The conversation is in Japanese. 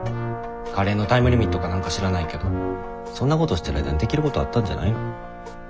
カレーのタイムリミットか何か知らないけどそんなことしてる間にできることあったんじゃないの？